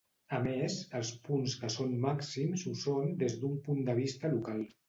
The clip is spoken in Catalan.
A més, els punts que són màxims ho són des d'un punt de vista local.